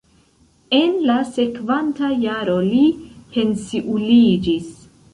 En la sekvanta jaro li pensiuliĝis.